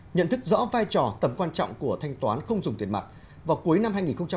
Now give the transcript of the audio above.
nhận thức rõ vai trò tầm quan trọng của thanh toán không dùng tiền mặt vào cuối năm hai nghìn hai mươi